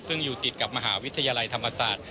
ซึ่งอยู่ติดกับมหาวิทยาลัยธรรมศาสตร์